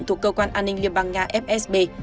thuộc cơ quan an ninh liên bang nga fsb